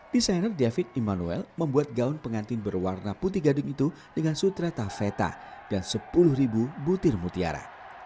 desainer david immanuel membuat gaun pengantin berwarna putih gadung itu dengan sutra tafeta dan sepuluh butir mutiara